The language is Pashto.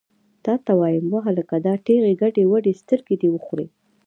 تا ته وایم، وهلکه! دا ټېغې ګډې وډې سترګې دې وخورې!